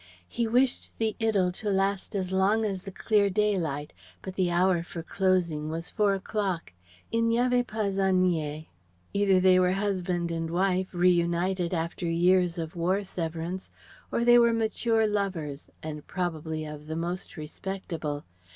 He wished the idyll to last as long as the clear daylight, but the hour for closing was four o'clock "Il n'y avait pas à nier." Either they were husband and wife, reunited, after years of war severance; or they were mature lovers, and probably of the most respectable.